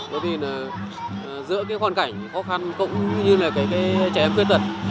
bởi vì là giữa cái hoàn cảnh khó khăn cũng như là cái trẻ em khuyết tật